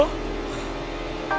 kau kain karuaku